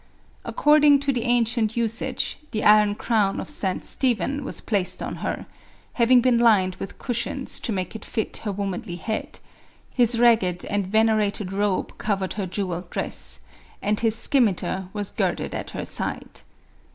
Accord ing to the ancient usage, the iron crown of St. Stephen was placed on her, having been lined with cushions to make it fit her womanly head ; his ragged and vener ated robe covered her jewelled dress, and his scimiter 9 * 194 MARIA THERESA. was girded at her side.